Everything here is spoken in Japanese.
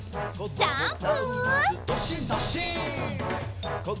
ジャンプ！